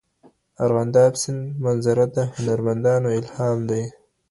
ارغنداب سیند منظره د هنرمندانو الهام دی.